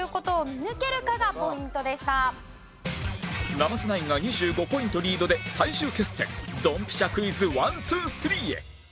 生瀬ナインが２５ポイントリードで最終決戦ドンピシャクイズ１・２・３へ